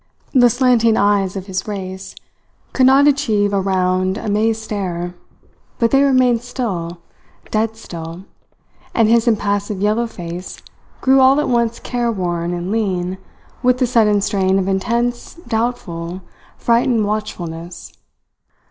The slanting eyes of his race could not achieve a round, amazed stare, but they remained still, dead still, and his impassive yellow face grew all at once careworn and lean with the sudden strain of intense, doubtful, frightened watchfulness.